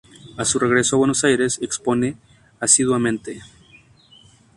A su regreso a Buenos Aires expone asiduamente.